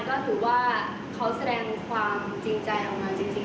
ก็ถือว่าเขาแสดงความจริงใจออกมาจริง